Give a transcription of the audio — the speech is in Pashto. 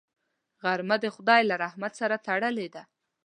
غرمه د خدای له رحمت سره تړلې ده